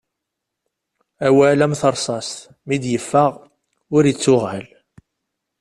Awal am terṣast mi d-iffeɣ ur ittuɣal.